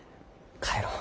帰ろう。